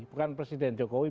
bukan presiden jokowi